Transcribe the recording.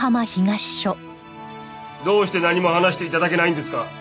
どうして何も話して頂けないんですか？